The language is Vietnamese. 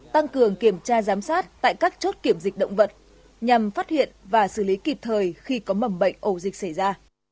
tăng cường kiểm tra giám sát tại các chốt kiểm dịch động vật nhằm phát hiện và xử lý kịp thời khi có mầm bệnh ổ dịch xảy ra